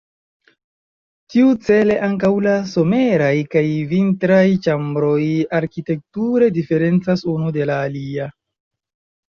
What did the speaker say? Tiu-cele ankaŭ la someraj kaj vintraj ĉambroj arkitekture diferencas unu de la alia.